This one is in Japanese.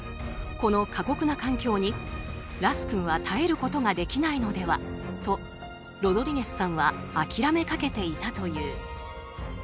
この過酷な環境にラス君は絶えることはできないのではとロドリゲスさんは諦めかけていたという。